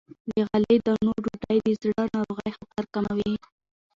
له غلې- دانو ډوډۍ د زړه ناروغۍ خطر کموي.